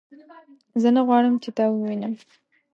زه نه غواړم چې تا ووینم